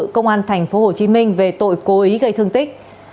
công an thành phố hồ chí minh về tội cố ý gây thương tích